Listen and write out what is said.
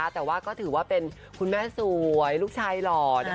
แต่ล่อแปดก็ทิวับเป็นคุณแม้สวยลูกชายหลอด